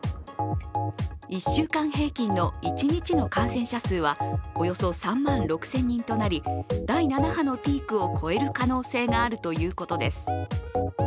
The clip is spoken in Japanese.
１週間平均の一日の感染者数はおよそ３万６０００人となり第７波のピークを超える可能性があるということです。